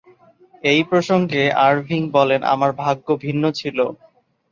এই প্রসঙ্গে আরভিং বলেন, "আমার ভাগ্য ভিন্ন ছিল।"